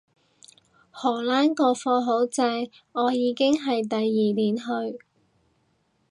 荷蘭個課好正，我已經係第二年去